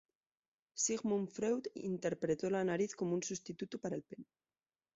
Sigmund Freud interpretó la nariz como un sustituto para el pene.